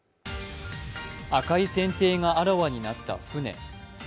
赤い船底があらわになった船。